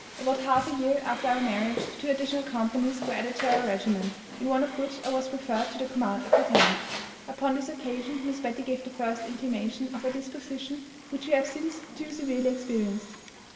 "About half a year after our marriage two additional companies were added to our regiment, in one of which I was preferred to the command of a lieutenant. Upon this occasion Miss Betty gave the first intimation of a disposition which we have since too severely experienced."